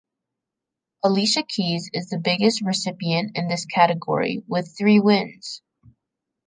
Alicia Keys is the biggest recipient in this category with three wins.